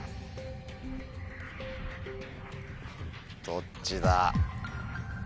どっちだ？